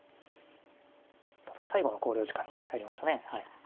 ただ最後の考慮時間に入りましたね。